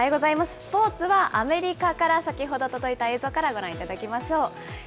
スポーツはアメリカから先ほど届いた映像からご覧いただきましょう。